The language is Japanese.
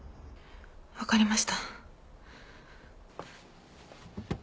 分かりました。